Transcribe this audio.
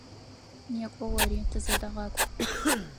Некӏо ори, тызэдэгъакӏу!